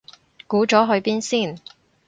估咗去邊先